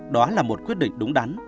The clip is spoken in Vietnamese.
đó là một quyết định đúng đắn